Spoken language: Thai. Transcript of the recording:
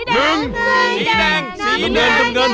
น้ำเงินน้ำเงิน